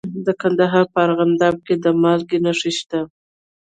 د کندهار په ارغنداب کې د مالګې نښې شته.